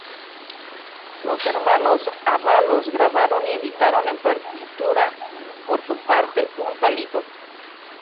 Los Hermanos Ábalos grabaron y editaron en partitura, por su parte, un "palito".